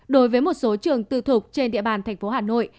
đối với một số trường tự thuộc trên địa bàn tp hà nội